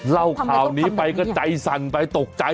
เล่าข่าวนี้ไปก็ใจสั่นไปตกใจ